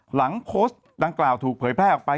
หลังโพสต์ดังกล่าวถูกเผยแพร่ออกไป